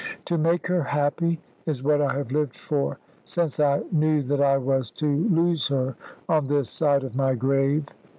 To make her happy is what I have lived for, since I knew that I was to lose her on this side of my grave.